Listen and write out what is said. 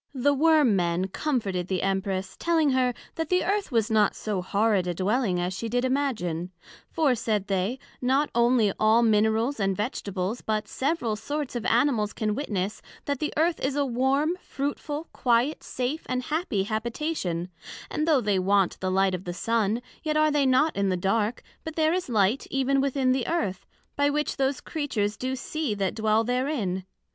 The Worm men comforted the Empress, telling her, That the Earth was not so horrid a Dwelling, as she did imagine; for, said they, not onely all Minerals and Vegetables, but several sorts of Animals can witness, that the Earth is a warm, fruitful, quiet, safe, and happy habitation; and though they want the light of the Sun, yet are they not in the dark, but there is light even within the Earth, by which those Creatures do see that dwell therein.